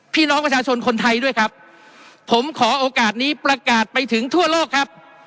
พี่น้องประชาชนคนไทยด้วยครับผมขอโอกาสนี้ประกาศไปถึงทั่วโลกครับ